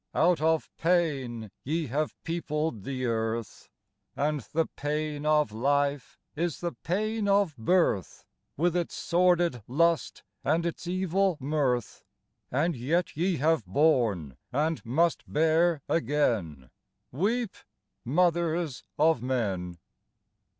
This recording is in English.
s Out of pain ye have peopled the earth, And the pain of life is the pain of birth, With its sordid lust and its evil mirth, And yet ye have borne and must bear again Weep, mothers of men